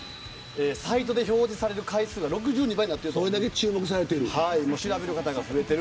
サイトで表示される回数が６２倍になって調べる方が増えてる。